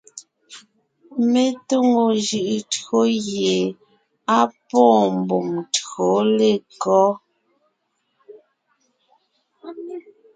Mé tóŋo jʉʼʉ tÿǒ gie á pwóon mbùm tÿǒ lekɔ́?